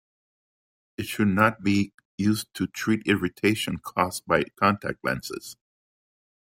It should not be used to treat irritation caused by contact lenses.